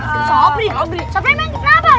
kenapa kenapa kenapa